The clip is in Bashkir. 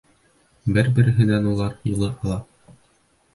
Бер-береһенән улар йылы ала.